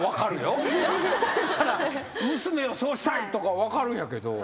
やってたんやったら娘をそうしたいとか分かるんやけど。